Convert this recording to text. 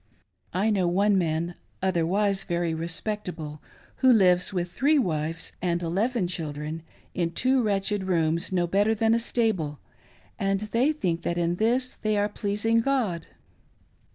I know one man, otherwise very respectable, who lives with three wives and eleven children in two wretched rooms no better than a stable, and they think that in this they are pleasing God.